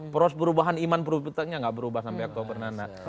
proses perubahan iman imannya gak berubah sampai aktual